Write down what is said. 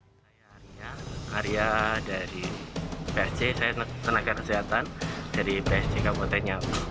saya arya dari prc saya tenaga kesehatan dari psc kabupatennya